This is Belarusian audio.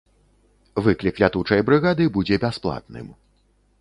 Выклік лятучай брыгады будзе бясплатным.